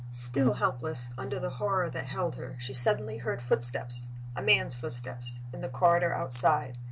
Still helpless, under the horror that held her, she suddenly heard footsteps a man's footsteps in the corridor outside.